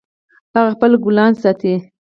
هغه خپل ګلان ساتي